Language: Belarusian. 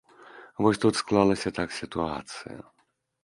Вось тут склалася так сітуацыя.